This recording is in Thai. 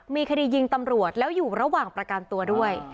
มีคดียิงตำรวจแล้วอยู่ระหว่างประกันตัวด้วย